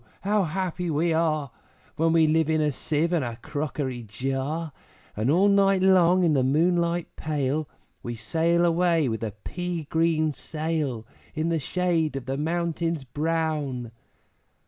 How happy we are, When we live in a Sieve and a crockery jar, And all night long in the moonlight pale, We sail away with a pea green sail, In the shade of the mountains brown!'